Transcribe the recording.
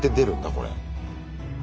これ。